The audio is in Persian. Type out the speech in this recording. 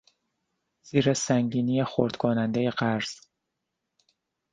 زیر سنگینی خرد کنندهی قرض